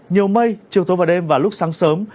nhiều mây chiều tối và đêm và lúc sáng sớm